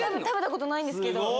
食べたことないんですけど。